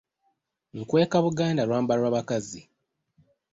NkwekaBuganda lwambalwa bakazi.